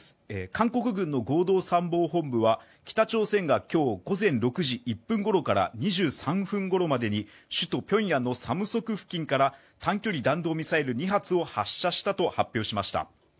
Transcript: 韓国軍の合同参謀本部は北朝鮮が今日午前６時１分ごろから２３分頃までに首都ピョンヤンのサムソク付近から短距離弾道ミサイル２発を発射したと発表しました。